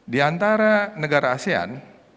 diantara negara asean